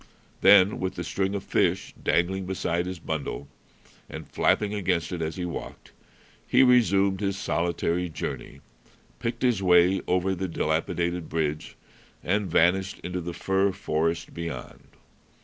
Then, with the string of fish dangling beside his bundle and flapping against it as he walked, he resumed his solitary journey, picked his way over the dilapidated bridge, and vanished into the fir forest beyond.